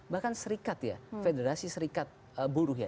bahkan serikat ya federasi serikat buruh ya